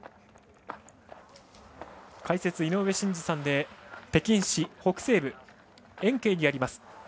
解説、井上真司さんで北京市北西部延慶にあります